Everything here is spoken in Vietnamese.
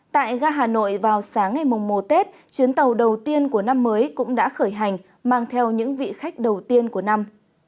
tại ga hà nội vào sáng ngày mùng mùa tết chuyến tàu đầu tiên của năm mới cũng đã khởi hành mang theo những vị khách đầu tiên của năm